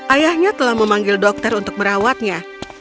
ayahnya telah memanggil dokter untuk merawatnya